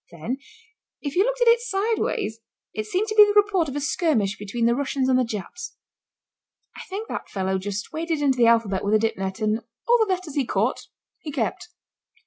Then if you looked at it sideways it seemed to be the report of a skirmish between the Russians and the Japs. I think that fellow just waded into the alphabet with a dip net and all the letters he caught he kept.